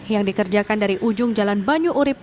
yang dikerjakan dari ujung jalan banyu urib